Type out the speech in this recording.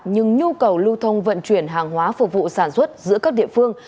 nhưng nhu cầu lưu thông vận chuyển hàng hóa phục vụ sản xuất giữa các địa phương